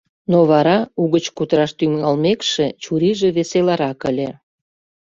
Но вара угыч кутыраш тӱҥалмекше, чурийже веселарак ыле.